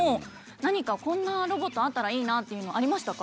何かこんなロボットあったらいいなっていうのありましたか？